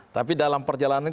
tapi dalam perjalanan